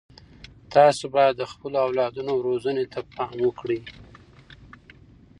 تاسو باید د خپلو اولادونو روزنې ته پام وکړئ.